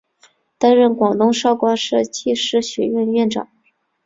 担任广东省韶关市技师学院院长。